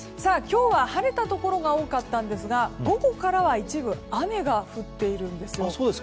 今日は晴れたところが多かったんですが午後からは一部、雨が降っているんです。